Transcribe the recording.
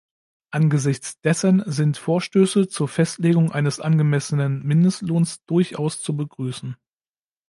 Angesichts dessen sind Vorstöße zur Festlegung eines angemessenen Mindestlohns durchaus zu begrüßen.